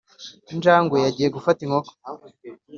injangwe yagiye gufata inkoko